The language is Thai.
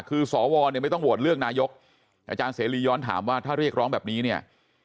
คือสวเนี่ยไม่ต้องโหวตเลือกนายกอาจารย์เสรีย้อนถามว่าถ้าเรียกร้องแบบนี้เนี่ย